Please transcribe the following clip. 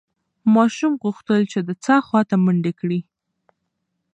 ماشوم غوښتل چې د څاه خواته منډه کړي.